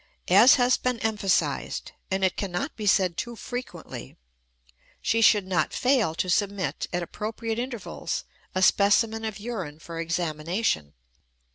As has been emphasized and it cannot be said too frequently she should not fail to submit, at appropriate intervals, a specimen of urine for examination.